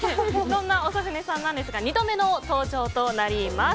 そんな長船さんですが２度目の登場となります。